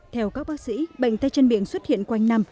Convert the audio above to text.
theo các bác sĩ bệnh tay chân miệng xuất hiện quanh năm